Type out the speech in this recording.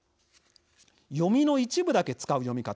読みの一部だけ使う読み方。